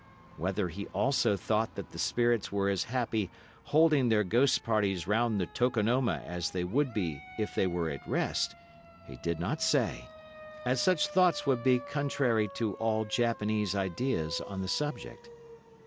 Whether he also thought that the spirits were as happy holding their ghost parties round the tokonoma as they would be if they were at rest, he did not say, as such thoughts would be contrary to all Japanese ideas on the subject.